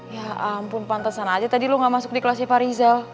ya ampun pantasan aja tadi lu gak masuk di kelasnya pak rizal